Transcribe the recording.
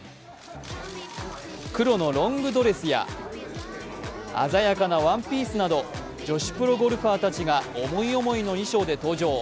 黒のロングドレスや、鮮やかなワンピースなど、女子プロゴルファーたちが思い思いの衣装で登場。